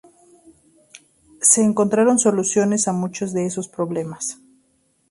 Se encontraron soluciones a muchos de esos problemas.